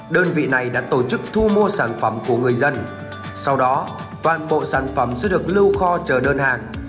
đơn vị này đã tổ chức thu mua sản phẩm của người dân sau đó toàn bộ sản phẩm sẽ được lưu kho chờ đơn hàng